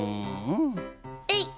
えいっ！